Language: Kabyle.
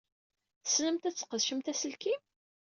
Tessnemt ad tesqedcemt aselkim?